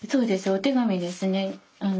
お手紙ですね。